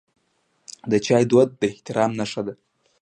د چای دود د احترام نښه ده.